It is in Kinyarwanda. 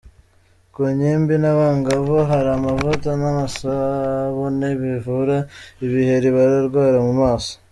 Ku ngimbi n’abangavu hari amavuta n’amasabune bivura ibiheri barwara mu maso.